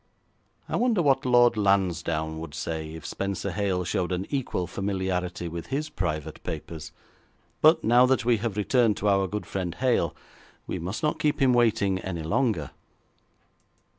I wonder what Lord Lansdowne would say if Spenser Hale showed an equal familiarity with his private papers! But now that we have returned to our good friend Hale, we must not keep him waiting any longer.